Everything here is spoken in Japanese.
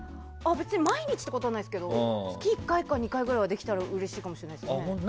別に毎日ってことじゃないですけど月１回か２回ぐらいはできたらうれしいですね。